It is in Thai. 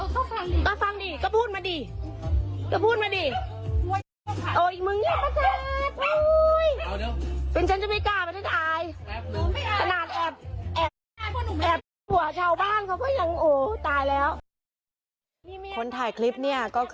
ก็ฟังดิก็ฟังดิก็พูดมาดิ